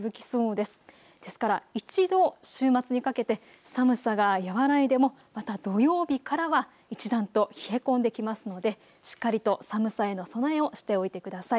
ですから一度週末にかけて寒さが和らいでもまた土曜日からは一段と冷え込んできますのでしっかりと寒さへの備えをしておいてください。